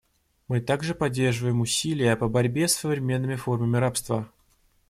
Мы также поддерживаем усилия по борьбе с современными формами рабства.